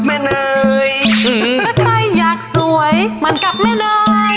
ปากปุดว่านังไก่ดาวร้าย